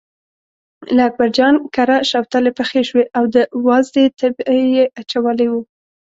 له اکبرجان کره شوتلې پخې شوې او د وازدې تبی یې اچولی و.